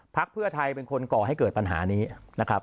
เพื่อไทยเป็นคนก่อให้เกิดปัญหานี้นะครับ